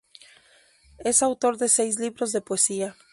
Es autor de seis libros de poesía.